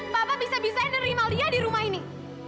papa bisa bisa aja nerima lia di rumah ini